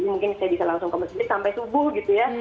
mungkin saya bisa langsung ke masjid sampai subuh gitu ya